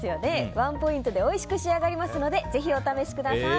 ワンポイントでおいしく仕上がりますのでぜひお試しください。